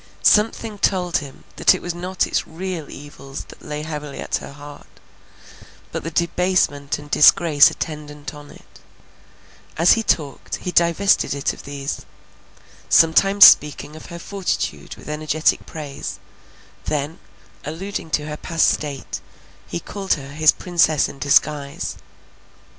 Something told him that it was not its real evils that lay heavily at her heart, but the debasement and disgrace attendant on it; as he talked, he divested it of these; sometimes speaking of her fortitude with energetic praise; then, alluding to her past state, he called her his Princess in disguise.